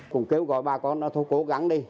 cùng kêu gọi bà con nói thôi cố gắng đi